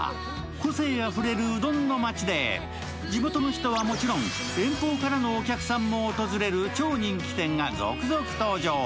個性あふれるうどんの街で地元の人はもちろん、遠方からのお客さんも訪れる超人気店が続々登場。